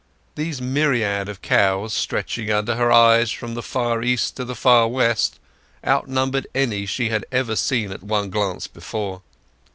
These myriads of cows stretching under her eyes from the far east to the far west outnumbered any she had ever seen at one glance before.